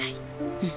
うん。